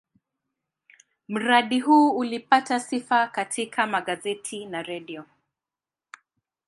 Mradi huu ulipata sifa katika magazeti na redio.